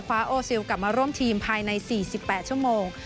โอซิลกลับมาร่วมทีมภายใน๔๘ชั่วโมง